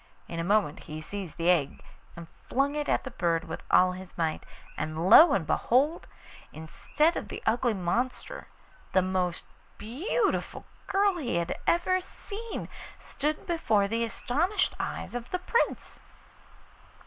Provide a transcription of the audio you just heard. In a moment he seized the egg and flung it at the bird with all his might, and lo and behold! instead of the ugly monster the most beautiful girl he had ever seen stood before the astonished eyes of the Prince.